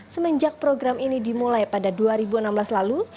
semenjak program ini dimulai pada dua ribu enam belas lalu